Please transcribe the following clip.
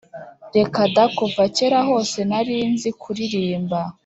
reka da kuva kera hose narinzi kuririmba